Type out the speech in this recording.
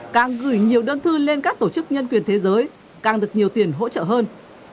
càng gửi nhiều đơn thư lên các tổ chức nhân quyền thế giới càng được nhiều tiền hỗ trợ hơn